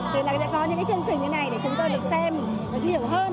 thì sẽ có những chương trình như này để chúng ta được xem hiểu hơn